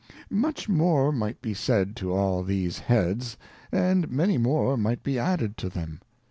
Much more might be said to all these Heads, and many more might be added to them.